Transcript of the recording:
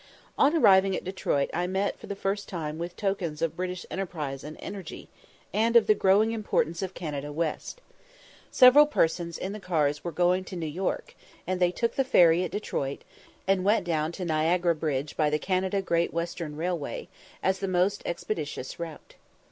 On arriving at Detroit I met for the first time with tokens of British enterprise and energy, and of the growing importance of Canada West. Several persons in the cars were going to New York, and they took the ferry at Detroit, and went down to Niagara Bridge by the Canada Great Western Railway, as the most expeditious route.